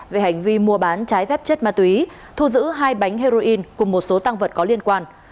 về hành vi mua bán trái phép chất ma túy thu giữ hai bánh heroin cùng một số tăng vật có liên quan